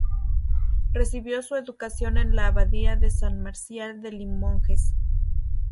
Recibió su educación en la abadía de San Marcial de Limoges.